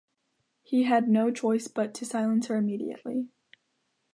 He had no choice but to silence her immediately.